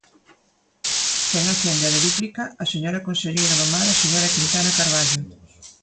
Ten a quenda de dúplica a señora conselleira do Mar, a señora Quintana Carballo.